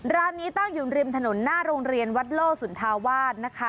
ร้านนี้ตั้งอยู่ริมถนนหน้าโรงเรียนวัดโลสุนธาวาสนะคะ